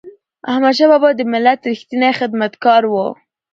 احمدشاه بابا د ملت ریښتینی خدمتګار و.